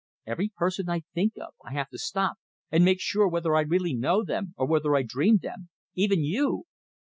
Every person I think of, I have to stop and make sure whether I really know them, or whether I dreamed them. Even you!"